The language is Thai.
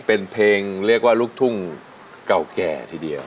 เป็นเพลงเรียกว่าลูกทุ่งเก่าแก่ทีเดียว